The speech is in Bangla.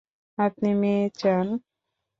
আপনি মেয়ে চান?